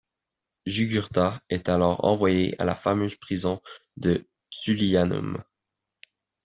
Jugurtha est alors envoyé à la fameuse prison de Tullianum.